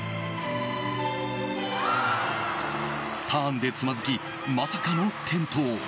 ターンでつまずき、まさかの転倒。